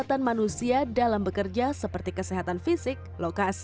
tanggal di lantai dari mobil turning hobby